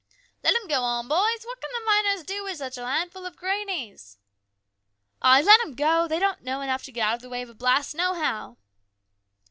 " Let 'em go on, boys ! What can the miners do with such a handful of greenies ?"" Ay, let 'em go ! They don't know enough to get out of the way of a blast, nohow